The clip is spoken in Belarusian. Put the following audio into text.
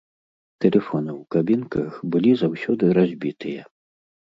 Тэлефоны ў кабінках былі заўсёды разбітыя.